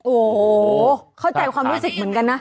โอ้โหเข้าใจความรู้สึกเหมือนกันนะ